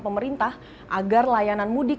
pemerintah agar layanan mudik